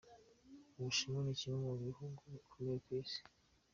Ubushinwa ni kimwe mu bihugu bikomeye mu Isi.